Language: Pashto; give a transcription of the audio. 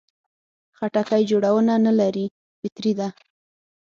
خټکی جوړونه نه لري، فطري ده.